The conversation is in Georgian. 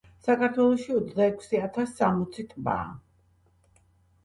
საქართველოში ოცდა ექვსი ათას სამოცი ტბაა